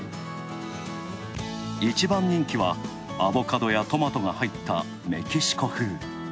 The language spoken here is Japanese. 一番人気はアボカドやトマトが入ったメキシコ風。